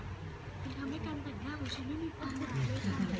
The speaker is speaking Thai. มันทำให้การแต่งหน้าของฉันไม่มีปัญหาเลยค่ะ